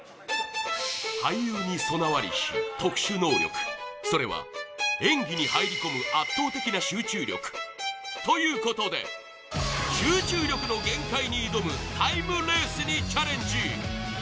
俳優に備わりし特殊能力、それは演技に入り込む圧倒的な集中力ということで集中力の限界に挑むタイムレースにチャレンジ。